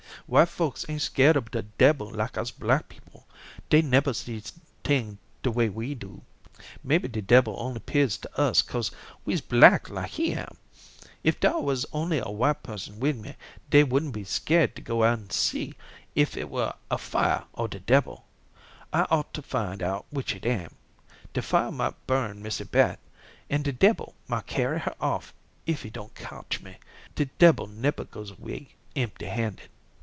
"White folks ain't scared ob de debbil like us black people. Dey nebber see tings de way we do. Maybe de debbil only 'pears to us kose we's black like he am. If dar wuz only a white person wid me, dey wouldn't be scared to go an' see if it were a fire or de debbil. I ought to find out which it am. De fire might burn Missy Beth, and de debbil might carry her off if he don't kotch me. De debbil nebber goes 'way empty handed."